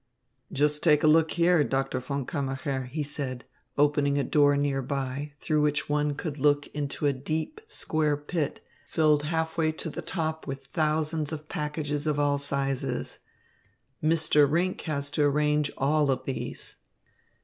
"Just take a look here, Doctor von Kammacher," he said, opening a door nearby, through which one could look into a deep, square pit filled half way up to the top with thousands of packages of all sizes. "Mr. Rinck has to arrange all of these."